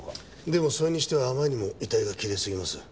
でもそれにしてはあまりにも遺体がきれいすぎます。